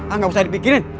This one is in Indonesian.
ah gausah dipikirin